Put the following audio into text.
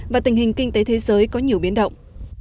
và tình hình kinh tế thế giới có nhiều biến động